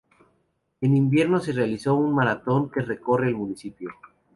En invierno se realiza una maratón que recorre el municipio.